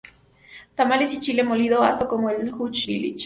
Tamales y chile molido aso como el juch-bilich.